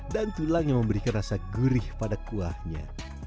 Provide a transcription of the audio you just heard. dan tulang yang memberikan rasa gurih pada kuahnya